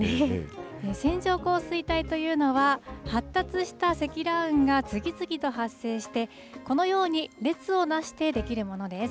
線状降水帯というのは、発達した積乱雲が次々と発生して、このように列を成して出来るものです。